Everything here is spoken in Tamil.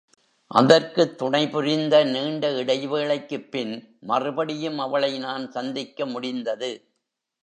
அதற்குத் துணைபுரிந்த நீண்ட இடைவேளைக்குப் பின் மறுபடியும் அவளை நான் சந்திக்க முடிந்தது.